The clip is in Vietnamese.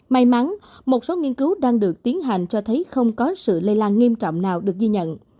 may mắn một số nghiên cứu đang được tiến hành cho thấy không có sự lây lan nghiêm trọng nào được ghi nhận